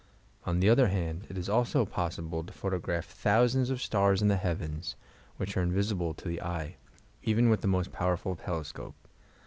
On the other hand, it is also possible to photograph thousands of stars in the heavens, which are invisible to the eye, even with the most powerful telescope.